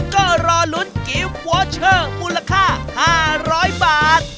ก็รอลุ้นกิฟต์วอเชอร์มูลค่า๕๐๐บาท